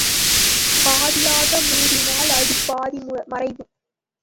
பாதியாக மூடினால் அது பாதி மறைவு.